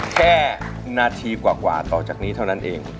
แค่นาทีกว่าต่อจากนี้เท่านั้นเอง